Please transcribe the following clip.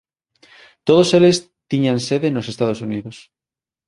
Todos eles tiñan sede nos Estados Unidos.